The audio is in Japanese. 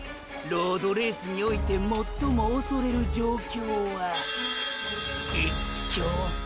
ロードレースにおいて最も恐れる状況は一強！